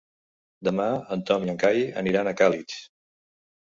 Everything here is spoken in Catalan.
Demà en Tom i en Cai aniran a Càlig.